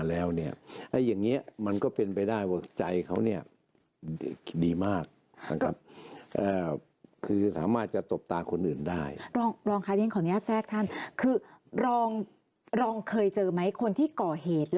ลองเจอมั้ยคนที่ก่อเหตุ